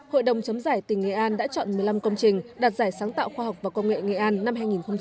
hội đồng chấm giải tỉnh nghệ an đã chọn một mươi năm công trình đạt giải sáng tạo khoa học và công nghệ nghệ an năm hai nghìn một mươi chín